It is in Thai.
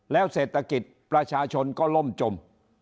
แล้วเศรษฐกิจประชาชนก็ล่มจม